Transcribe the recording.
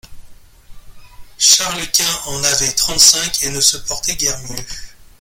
Charles-Quint en avait trente-cinq et ne se portait guère mieux.